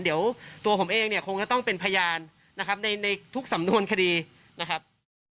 เดี๋ยวตัวผมเองเนี่ยคงจะต้องเป็นพยานนะครับในทุกสำนวนคดีนะครับ